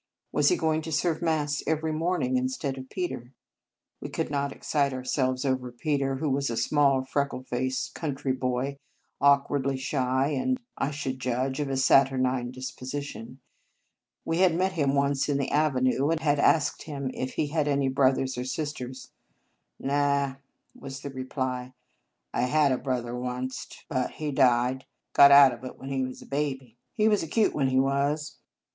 Was he going to serve Mass every morning instead of Peter? We could not excite ourselves over Peter, who was a small, freckle faced country boy, awkwardly shy, and I should judge of a saturnine disposition. We had met him once in the avenue, and had asked him if he had any brothers or sisters. " Naw," was the reply. " I had a brother wanst, but he died; got out of it when he was a baby. He was a cute one, he was."